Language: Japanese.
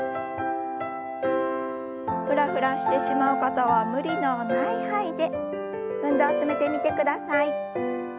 フラフラしてしまう方は無理のない範囲で運動を進めてみてください。